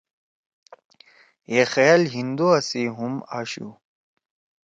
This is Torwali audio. ہے خیال ہندُوا سی ہُم آشُو